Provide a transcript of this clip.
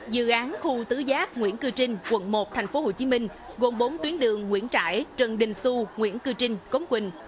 dự án khu tứ giác nguyễn cư trinh quận một tp hcm gồm bốn tuyến đường nguyễn trãi trần đình xu nguyễn cư trinh cống quỳnh